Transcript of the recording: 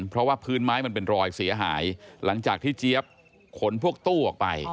เพราะว่าพื้นไม้มันเป็นรอยเสียหายหลังจากที่เจี๊ยบขนพวกตู้ออกไป